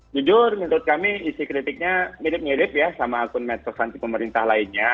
jujur menurut kami isi kritiknya mirip mirip ya sama akun medsos nanti pemerintah lainnya